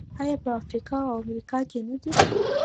آیا په افریقا او امریکا کې نه دي؟